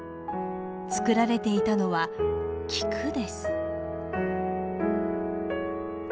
作られていたのは菊です。